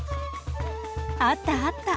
あったあった。